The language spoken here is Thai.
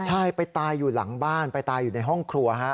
ใช่ไปตายอยู่หลังบ้านไปตายอยู่ในห้องครัวฮะ